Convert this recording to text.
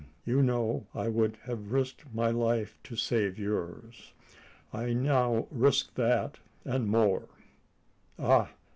You know I would have risked my life to save yours. I now risk that and more ah!